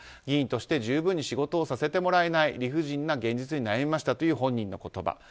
議員として十分に仕事をさせてもらえない理不尽な現実に悩みましたという本人の言葉。